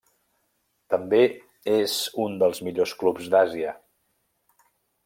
També és un dels millors clubs d'Àsia.